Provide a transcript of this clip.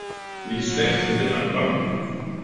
Nicht schlecht für den Anfang.